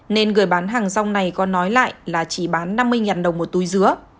nên người bán hàng rong này có nói lại là chỉ bán năm mươi đồng một túi dứa